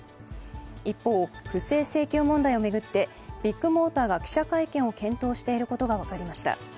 一方、不正請求問題を巡ってビッグモーターが記者会見を検討していることが分かりました。